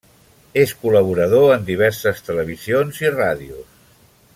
És col·laborador en diverses televisions i ràdios.